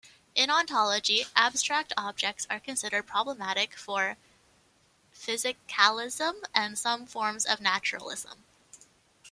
In ontology, abstract objects are considered problematic for physicalism and some forms of naturalism.